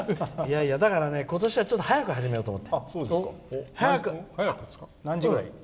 だから、今年はちょっと早く始めようと思って。